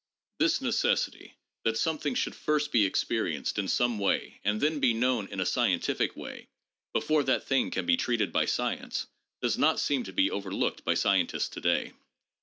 This necessity that something should first be experienced in some way and then be known in a scientific way, before that thing can be treated by science, does not seem to be overlooked by scientists to day.